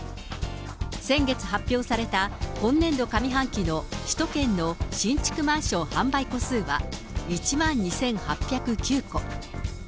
先月発表された今年度上半期の首都圏の新築マンション販売戸数は、１万２８０９戸。